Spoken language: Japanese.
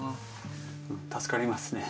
助かりますね。